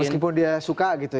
meskipun dia suka gitu ya